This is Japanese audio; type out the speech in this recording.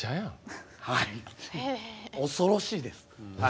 はい恐ろしいです。